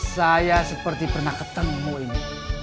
saya seperti pernah ketemu ini